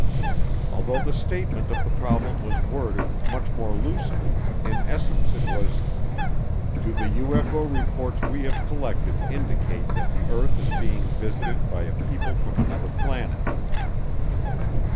Although the statement of the problem was worded much more loosely, in essence it was, "Do the UFO reports we have collected indicate that the earth is being visited by a people from another planet?"